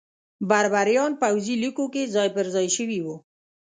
بربریان پوځي لیکو کې ځای پرځای شوي وو.